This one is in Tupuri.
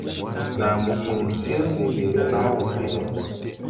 Naa mo ‘ũy sir ne weere nàa wɔ pel.